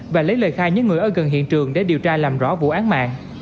và lấy lời khai những người ở gần hiện trường để điều tra làm rõ vụ án mạng